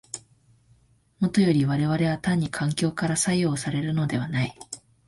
もとより我々は単に環境から作用されるのではない。